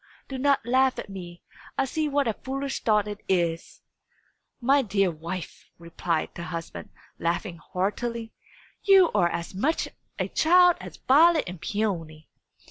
Do not laugh at me; I see what a foolish thought it is!" "My dear wife," replied the husband, laughing heartily, "you are as much a child as Violet and Peony."